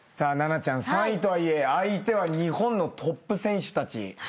奈々ちゃん３位とはいえ相手は日本のトップ選手たち。